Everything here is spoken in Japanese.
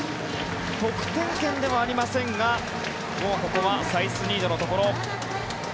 得点圏ではありませんがもうここはサイスニードのところ。